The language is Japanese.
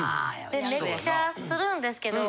めっちゃするんですけど。